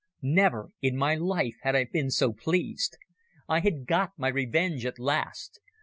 Never in my life had I been so pleased. I had got my revenge at last.